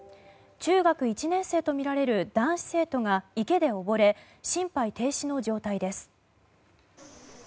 中学１年生とみられる男子生徒が池で溺れ心肺停止の状態です。